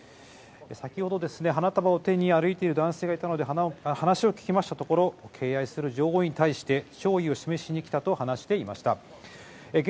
先ほど花束を手に歩いている男性に話を聞きましたところ、女王に対して弔意を示しに来たと話していました。